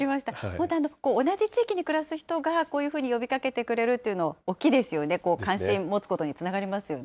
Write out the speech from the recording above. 本当同じ地域に暮らす人がこういうふうに呼びかけてくれるというのも大きいですよね、関心持つことにつながりますよね。